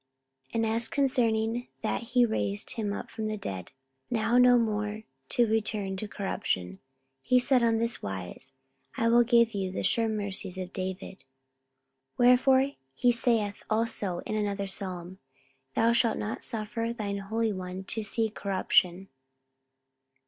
44:013:034 And as concerning that he raised him up from the dead, now no more to return to corruption, he said on this wise, I will give you the sure mercies of David. 44:013:035 Wherefore he saith also in another psalm, Thou shalt not suffer thine Holy One to see corruption.